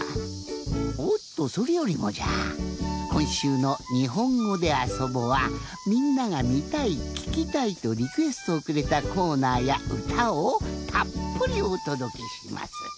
おっとそれよりもじゃこんしゅうの「にほんごであそぼ」はみんながみたいききたいとリクエストをくれたコーナーやうたをたっぷりおとどけします。